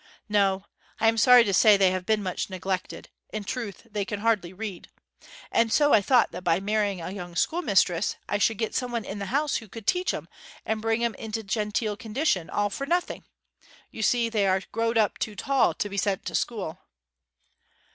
'No. I am sorry to say they have been much neglected; in truth, they can hardly read. And so I thought that by marrying a young schoolmistress I should get some one in the house who could teach 'em, and bring 'em into genteel condition, all for nothing. You see, they are growed up too tall to be sent to school.'